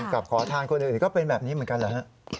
ขอทานคนอื่นก็เป็นแบบนี้เหมือนกันเหรอฮะ